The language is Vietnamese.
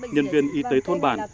nhân viên y tế thôn bản